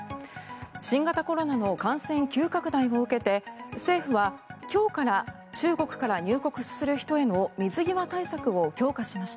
新型コロナの感染急拡大を受けて政府は今日から中国から入国する人への水際対策を強化しました。